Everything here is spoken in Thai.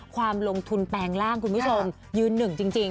ความลงทุนแปลงร่างคุณผู้ชมยืนหนึ่งจริง